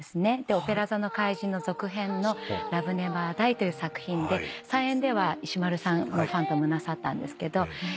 『オペラ座の怪人』の続編の『ラブ・ネバー・ダイ』という作品で再演では石丸さんファントムなさったんですけど。